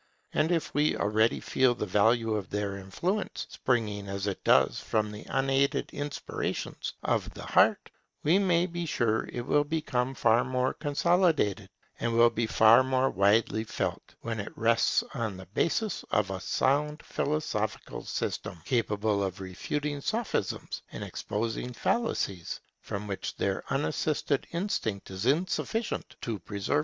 And if we already feel the value of their influence, springing as it does from the unaided inspirations of the heart, we may be sure it will become far more consolidated and will be far more widely felt, when it rests on the basis of a sound philosophical system, capable of refuting sophisms and exposing fallacies from which their unassisted instinct is insufficient to preserve us.